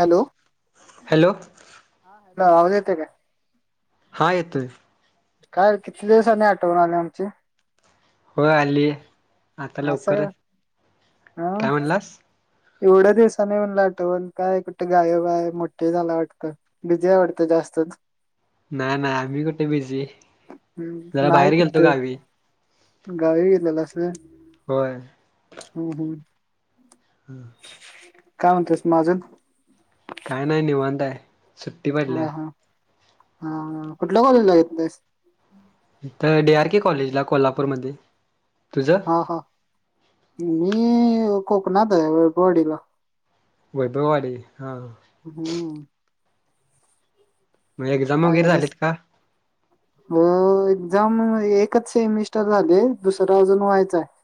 Hello hello. ह आवाज येतोय काय? हा येतोय. काय, किती दिवसांनी आठवण आली आमची? होय आलीय. आता असं लवकर, काय हा काय म्हणलास? एवढ्या दिवसा नाही होऊन लाटो पण काय कुठे गाय बाय मोठे झाला वाटतं बिझी आवटत जास्त असतात नाही नाही आम्ही कुठे बिझी हम्म जरा नाही बाहेर गेलतो कुठं ग आ् गावी गेलेला असं होय होम होम हम् काय म्हणतयस माजून काय नाही निवांताय सुट्टी हा पडल्या हा हा कुठल्या कॉलनला येतस तर डी आर के कॉलेजला कोल्हापूरमध्ये तुझं हा हा मी कोकणात आहे गवाडीला वू वाडी हा हम्म मग एक्झाम वगैरे काय कास झालीत का म एक्झाम एकच सेमिस्टर झाले दुसर अजून व्हायच आहे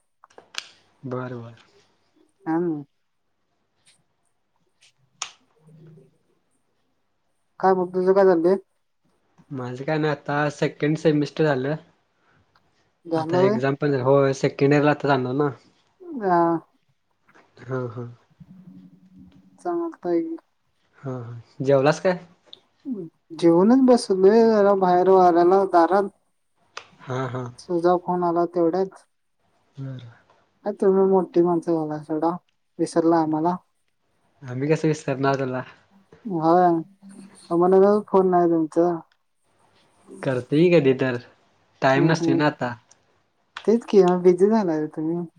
बारं बार हम काय मग तुझं काय चालते माझं काय ना आता सेकंड सेमिस्टर झालं झालं आता व्हय एक्झाम्पल हो सेकंड इयर ला आता जाणार ना हा हा हा चांगतायल हा हा जेवलाच काय जेवनच बसून मिला बाहेर वाल्यााला दारात हां हां तुझा फोन आला तेवढ्याच हम् तुम्ही मोठी माणस झाला सगडा विसरला आम्हाला आम्ी कसं विस्तार ना त्याला अ मन फोन नाही तुमचा करते ह कधी तर टाइम हम् नसतोय हम् ना आता तेच कि बिझी झाला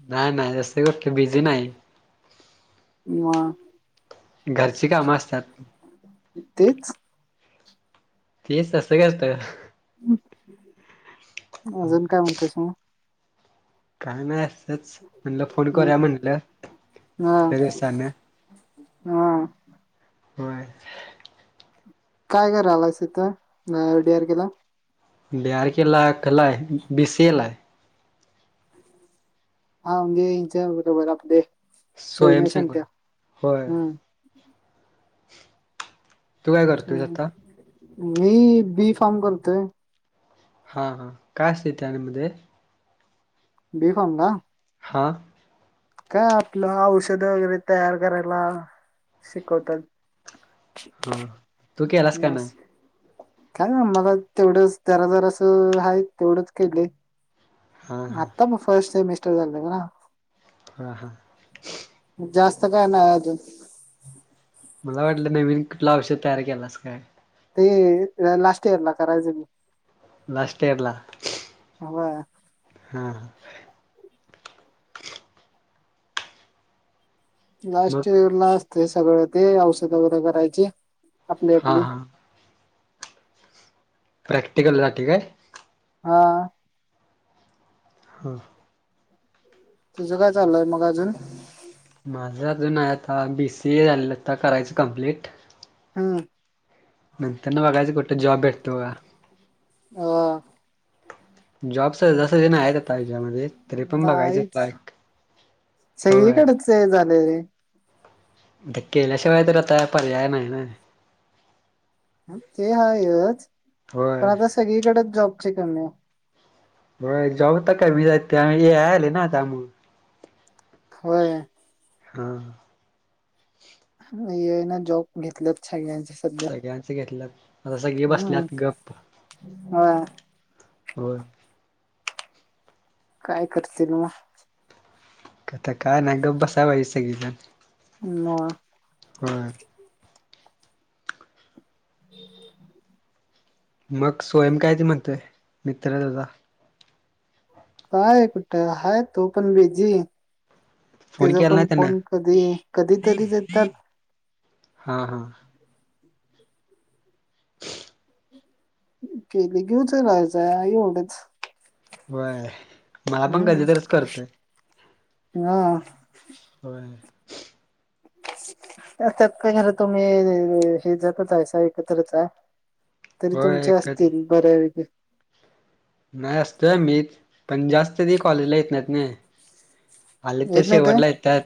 नाही नाही रस करते बिजी नाही म घरची कामं असतात तेच तेच अससं करतं अजून काय म्हणतेस मग काय नाही असंच म्हणलं फोन करूया हम्म म्हणलं हा दिवसान हा म काय काय रालायच इथंडीआर केेला बिर के लाखलाय बीसे ला आहे हा म्हमे इ ज ब बर आप ते स्वयंसेवक समशत होय हम् तू काय करतोय हम्म. आता मी बी फार्म करतोय हा हा काय असते इथ मध्ये बीफम का हां का आपलं औषध वगैरे तयार करायला शिकवतात हा, तू केलास का नाय? काय ना, मला तेवढंच, त्याला जरास आहे, तेवढंच केलंय हां हां आता मग फर्स्ट सेमिस्टर झालाय बघा हा, हा जास्त काय नाय अजून मला वाटलं नवीन कुठला औषध तयार केलास काय ते लास्ट इयरला करायचं की लास्ट इयरला वय हा, हा मग लास्ट इयर, लास्ट आहे सगळं ते औषध वगैरे करायचे आपली, हां आपली हां प्रॅक्टिकल साठी काय? हा हा तुझं काय चाललय मग अजून? माझं अजून आहे आता बीसीए झालं आता करायचं कंप्लीट हां नंतर ना बघायचं कुठं जॉब भेटतो का? हा जॉब सहजा सजी नाय आता हच्यामध्ये तरी पण बघायचं ट्राय होय सगळीकडच आहे केल्या शिवाय आता पर्याय नाही ना ते आहेाच पण होय आता सगळीकडेच जॉबची कमी ये. बघा जॉब तर कमी येत आता ए आय आल ना त्यामुळ. होय हा हे ना जॉब घेतलंत सगळ्यांच. सगळ्यांच घेतलं, आता सगळे हम्म बसल्यात गप्प. हा होय. काय करतील मग? आता काय नाही, गप्प बसा पाहिज सगळीजण मग होय हम. मग स्वयंम काय ते म्हणतोय? मित्र तुझा. काय कुठ हाय तो पण बीजी फोन त्याचा केला नाही पण त्यांन फोन कधी, कधीतरीच येतात हा हा [inaudible] केली घेऊच राहायच एवढच व्हय मला पण कधी तरच करतोय, हा होय त्यात काय खर तुम्ही हे जातच हाय एकत्रच आहे. तरी होय तुमचे एकच असतील बऱ्या पैकी नाही असतोय मी पण जास्त ती कॉलेजला येतात नाय. आले तर येत नाही ते शेवटला येतात,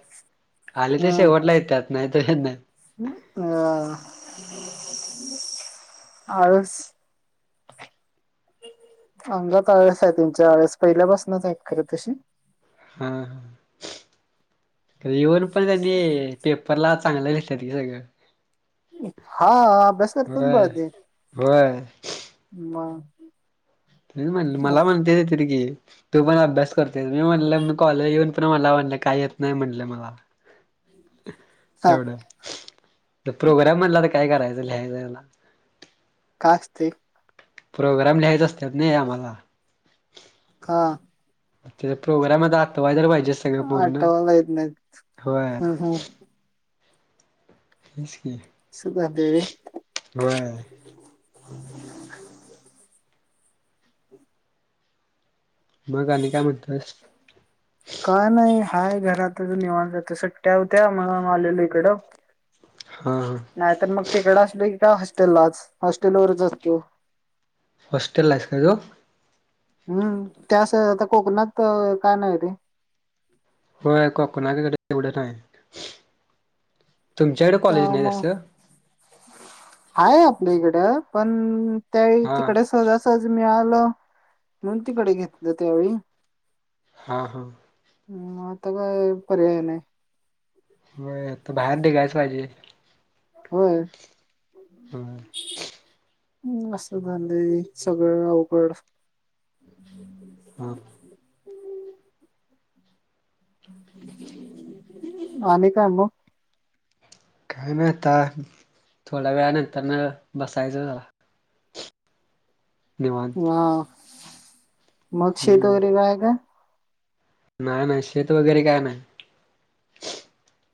आले तसे हम्म शेवटला येतात, नाही तर नाय अ, आळस अंगात आळस आहे तुमच्या, आळस पहिल्यापासूनच आहेत खरं तशी हा हा येऊन पण त्यानी पेपरला चांगलं लिहत्यात ती सगळं हा अभ्यास करतात होय बरं होय. म त म्हण मला म्हणते तिरी की? तू पण अभ्यास करतेस मी म्हणले मी कॉलेज येऊन पण मला म्हटले काही येत नाही म्हटले मला. हा एवढ---प्रोग्राम म्हणला तर काय करायचं लिहायचला आस्ते. प्रोग्राम लिहायचे असतात नाही आम्हाला. हा त्याच्या प्रोग्राम आत्तावा जर पाहिजे. सगळं पूर्ण. आठवाला येत नाही होय हम् हम् तेच की सुधा देवी होय. [inaudible] मग आणि काय म्हणतस काय नाही हाय घरातच निवांत होतो सुट्ट्या होत्या म्हणून आलेल इकडं हा हा नाही तर मग तिकड असल की का हॉस्टेललाच हॉस्टेलवररच असतो हॉस्टेल ला आहेस का तू हम्म त्यास आता कोकणात काय नाही ते होय कोकणा कडे एवढ्या टय तर मग आहे आपल्या इकडं पण त्या हा तिकडे सहजा सहजी मिळालं म्हणून तिकडे घेतलं त्यावेळी हा, हा ह् आता काय पर्याय नाही मता बाहेर निघायच पाहिजे होय हम् हम् असं झालंय सगळं अवघड हा आणि काय म काय नाही आता थोड्या वेळ नंतर ना बसायचं जरा निवांत वा मग शेत हम्म वगैरे काय हाय का नाही ना शेत वगैरे काय नाही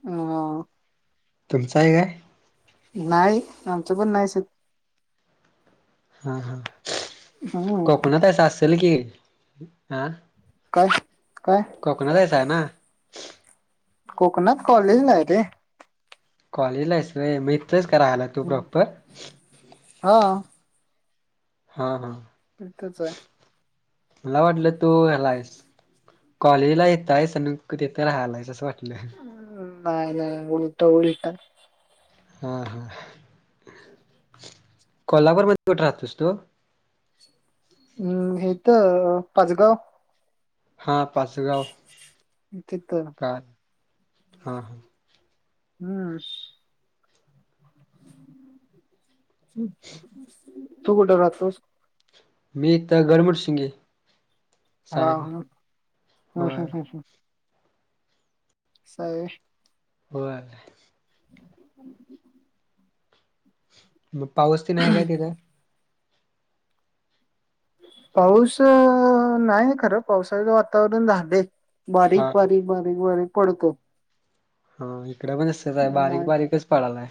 हम तुमचं आहे काय नाही आमचं पण नाहीच हा, हा हम्म कोकणातस अस असत की आं काय काय कोकणातयच आहे ना कोकणात कॉलेजला आहे रे कॉलेजला करायला की तू इथलाच आहेस तू प्रॉपर हा हा, हा इथच आहे मला वाटलं तू ह्याला आहेस कॉलेजला येतय स क तेथ राहायलायच असं वाटलं नाही, नाही उलट, उल्ट हा, हा कोल्हापूरमध्ये कुठे राहतोस तू हम्म ह हित पाचगाव हा पाचगाव तिथं कार हा, हा हम् ह तू कुठे राहतोस मी एक तर गडमुडशिंगी हा, हा ह, होय ह असाय होय होय हम् मग पाऊस त नाही काय तिथं पाऊस नाही खरं पावसाचं वातावरण झालय बारीक, हा बारीक, बारीक, बारीक पडतो हा इकडं पण असंच आहे बारीक नाही बारीकच पडायलाय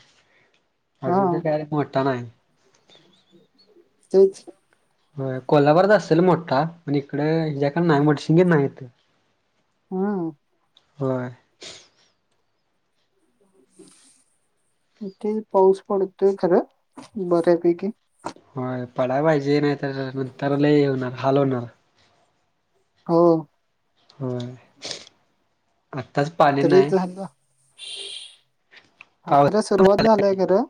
हा अजून तर काय मोठा नाही तेच हो कोल्हापरात असेल मोठा पण इकड का नाही मडशिंगी नाहीथ हा हो ते पाऊस पडतोय खरं बऱ्यापैकी होय पडायला पाहिजे नाही तर नंतर ल होणार हाल होणार. हो होय आत्ताच पाणी तरी नाय झालं हा पाऊस खरा सुरुवात झालंय खरं.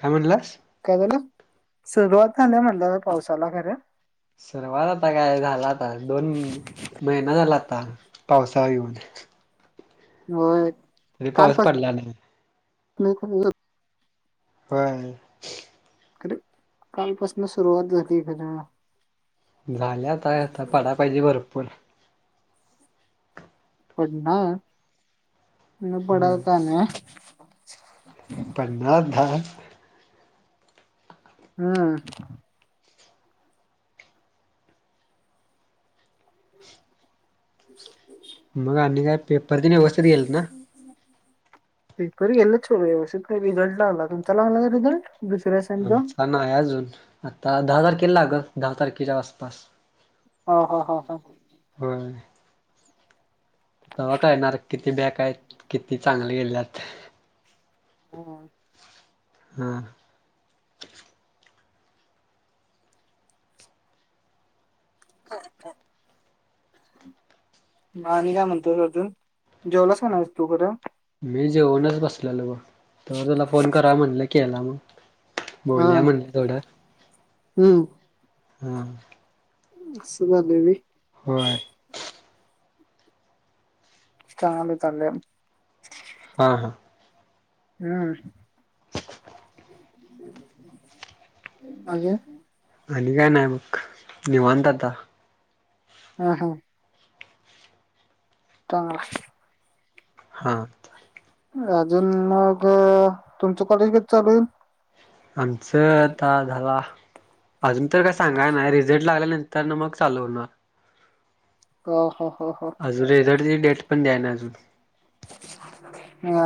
काय म्हणलास? काय झालं सुरुवात झाल्या म्हटलं तर पावसाला खरं सुरवात आता काय झाला आता दोन महिना झाला. आता पावसाळा येऊन. हो तरी पाऊस पडला नाही. [unintelligible] व्हय खरे कालपासून सुरुवात झाली खर झाल्या आता आता पडा पाहिजे भरपूर. पडणार, पडल का नाय? पन्नास, दहा हम्म ् [inaudible] मग आणि् काय पेपरची व्यवस्थित गेलेत ना पेपर गेला सोड व्यवस्थित का रिझल्ट लागला. तुमचा लागला का रिझल्ट? दुसऱ्या सेमचा आमचा नाय अजून आता दहा तारखेला लागल दहा तारखेच्या आसपास. हो हो हो ह होय तेव्हा का येणार किती बॅक आहेत किती चांगले गेल्यात. हा हा खर खर म आणि काय म्हणतो अजून जेवलास का नाही तू खरं? मी जेवनच बसलेलो ग तर तुला फोन करा म्हणलं केला मग. बोलूया म्हणलं थोडं. हम हा. सुधा देवी. होय? चांगलं चालाय हा हा हम्. बाकी आणि काय नाही मग निवांत आता. हम हा. [unintelligible] हा. अजून मग तुमचं कॉलेज कधी चालू होईल? आमचं आता झाला अजून तर काय सांगाय नाय, रिझल्ट लागल्यानंतर ना मग चालू होणार. ह ह. अजून रिझल्ट ची डेट पण द्या ना अजून. हा.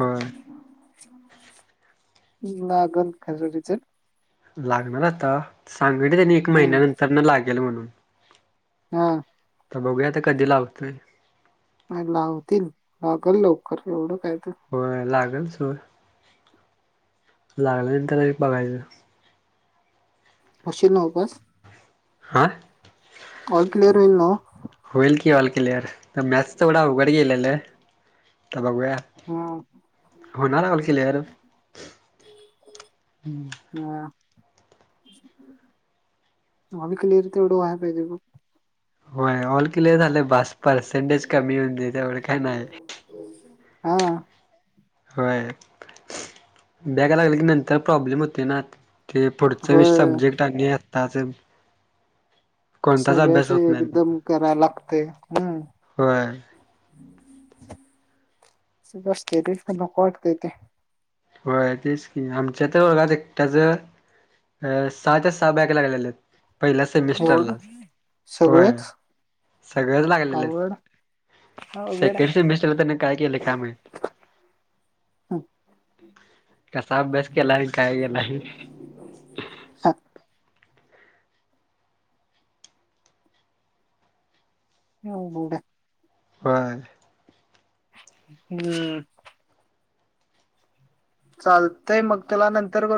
होय. ह नागन खर्च लागणार आता सांग त्यांनी एक हम्म महिन्यानंतर न लागेल म्हणून. हा. तर बघूया तर कधी लागतोय? नाही लावतील. लागल लवकर एवढं काय? तर होय लागेल. सोड लागल्या नंतर बघायचं. होशील नाव पास? हा. ऑल क्लिअर होईल नव? होईल की ऑल क्लिअर. तर मॅथ तेवढ उघड गेलेलं. बघुया, हो होणार ऑल क्लिअर. हम्म. अभि क्लिअर तेवढं व पाहिजे ब. होय, ऑल कलेर झालं बस पर्सेंटेज कमी होऊन देई त्यामुळेढ काय नाही. हा. होय, बॅग लागयला लागलं की नंतर प्रॉब्लेम होते नात. ते पुढचे होय सब्जेक्ट आणि आत्ताच कोणताच सगळ्याच अभ्यास होत नाही मग एकदम कराय लागतय. हम. होय तसंच असते तेच तर नको वाटते ते. होय तेच की आमच्या तर वर्गात एकट्याच अ सहाच्या सहा बॅग लालेले आहेत. पहिल्या एवढं सेमिस्टरलाच, होय सगळंच सगळच लागलेले. अवघड अवघड सेकंड आहे सेमिस्टरला त्यांना काय केलं काय माहित? हम. कसा अभ्यास केलाय? काय केलाय? हा, ह बड. होय. हम्. चालतंय मग त्याला नंतर